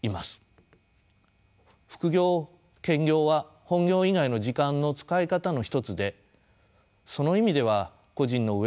副業・兼業は本業以外の時間の使い方の一つでその意味では個人のウェルビーイング